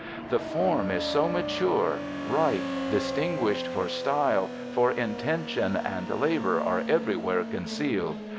The form is so mature, ripe, distinguished for style, for intention and labor are everywhere concealed.